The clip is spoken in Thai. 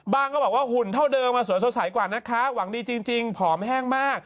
ก็บอกว่าหุ่นเท่าเดิมสวยสดใสกว่านะคะหวังดีจริงผอมแห้งมาก